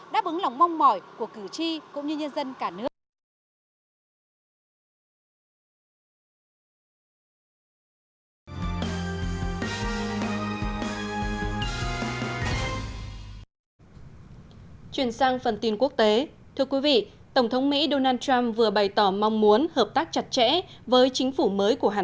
đáp ứng lòng mong mỏi của cử tri cũng như nhân dân cả nước